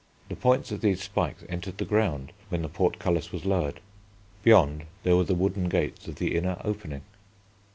The points of these spikes entered the ground when the portcullis was lowered. Beyond, there were the wooden gates of the inner opening.